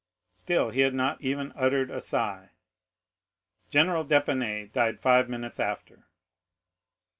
Still he had not even uttered a sigh. General d'Épinay died five minutes after.